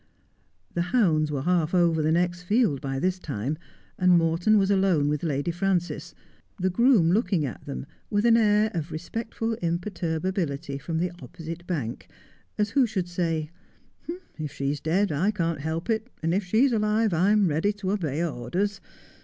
The hounds were half over the next field by this time, and Morton was alone with Lady Frances, the groom looking at them with an air of respectful imperturbability from the opposite bank, as who should say, ' If she's dead I can't help it, and if she's alive I'm ready to obey orders.